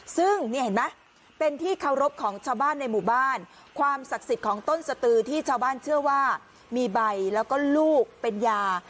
ซึ่งนี่เห็นไหมเป็นที่เคารพของชาวบ้านในหมู่บ้านความศักดิ์สิทธิ์ของต้นสตือที่ชาวบ้านเชื่อว่ามีใบแล้วก็ลูกเป็นยา